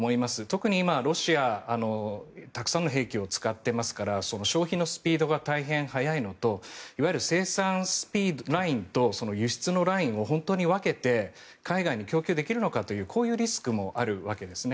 特に今、ロシアたくさんの兵器を使っていますから消費のスピードが大変速いのといわゆる生産ラインと輸出のラインを本当に分けて海外に供給できるのかというこういうリスクもあるわけです。